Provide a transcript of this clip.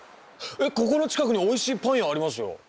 ここの近くにおいしいパン屋ありますよ。